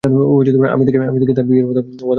আমি তাকে তার বিয়ের ওয়াদা করেছি।